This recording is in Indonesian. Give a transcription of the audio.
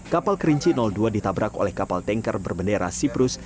kapal kerinci dua ditabrak oleh kapal tanker berbendera siprus